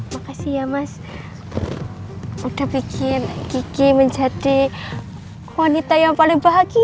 makasih ya mas udah bikin gigi menjadi wanita yang paling bahagia